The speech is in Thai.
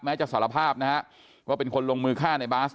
จะสารภาพนะฮะว่าเป็นคนลงมือฆ่าในบาส